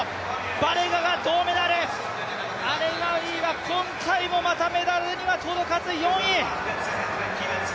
バレガが銅メダル、アレガウィは今回もまたメダルには届かず４位。